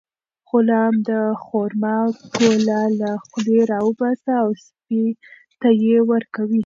غلام د خورما ګوله له خولې راوباسي او سپي ته یې ورکوي.